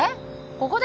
ここで！？